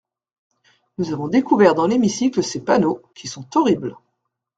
Nous avons découvert dans l’hémicycle ces panneaux, qui sont horribles.